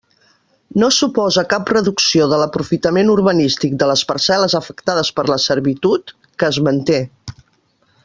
No suposa cap reducció de l'aprofitament urbanístic de les parcel·les afectades per la servitud, que es manté.